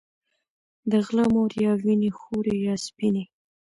د غله مور يا وينې خورې يا سپينې